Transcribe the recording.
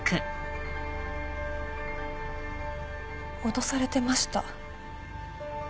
脅されてました。